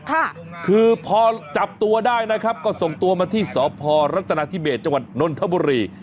ค่ะคือพอจับตัวได้นะครับก็ส่งตัวมาที่สพรัฐนาธิเบสจังหวัดนนทบุรี